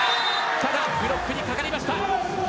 ただ、ブロックにかかりました。